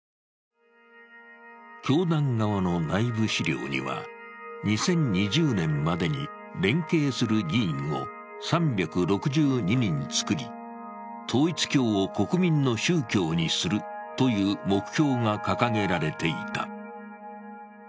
教団側の内部資料には、２０２０年までに連携する議員を３６２人つくり、統一教を国民の宗教にするという目標が掲げられていた。